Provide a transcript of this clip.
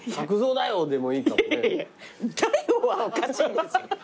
「だよ！」はおかしいですよ。